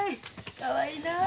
かわいいなあ。